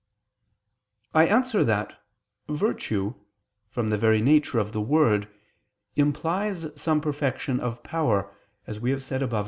I answer that, Virtue, from the very nature of the word, implies some perfection of power, as we have said above (A.